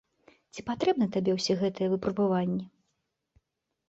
Ці патрэбны табе ўсе гэтыя выпрабаванні?